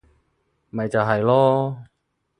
咪就係囉